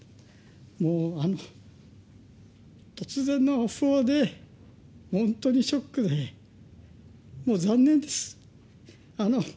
もう突然の訃報で、本当にショックで、もう残念です。